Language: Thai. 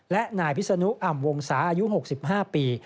และนายพิศนุอ่ำวงศาอายุ๖๕ปี